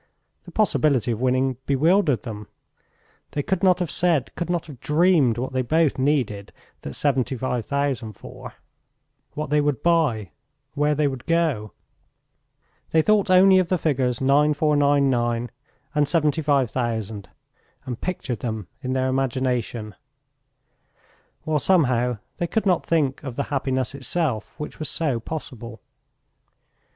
The possibility of winning bewildered them; they could not have said, could not have dreamed, what they both needed that seventy five thousand for, what they would buy, where they would go. They thought only of the figures 9,499 and 75,000 and pictured them in their imagination, while somehow they could not think of the happiness itself which was so possible.